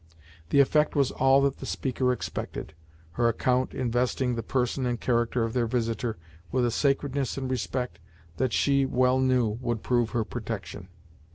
The effect was all that the speaker expected, her account investing the person and character of their visitor with a sacredness and respect that she well knew would prove her protection.